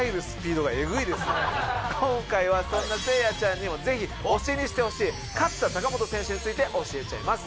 今回はそんなせいやちゃんにもぜひ推しにしてほしい勝田貴元選手について教えちゃいます。